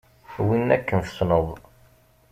Winna akken tesneḍ.